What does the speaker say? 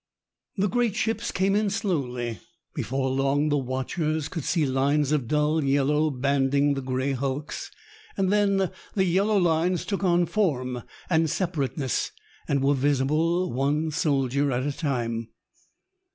The great ships came in slowly. Before long, the watchers could see lines of dull yellow banding the gray hulks, and then the yellow lines took on form and separateness, and were visible one soldier at a time.